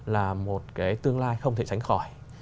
là một cái tương lai không thể sánh khỏi